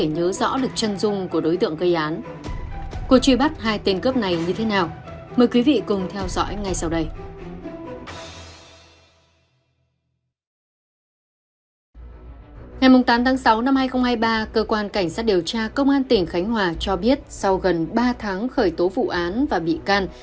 ngày tám sáu hai nghìn hai mươi ba cơ quan cảnh sát điều tra công an tỉnh khánh hòa cho biết sau gần ba tháng khởi tố vụ án và bị can